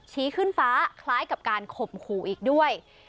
ชี้ขึ้นฟ้าคล้ายกับการข่มขู่อีกด้วย